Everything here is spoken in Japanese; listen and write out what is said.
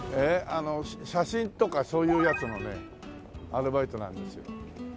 あの写真とかそういうやつのねアルバイトなんですよ。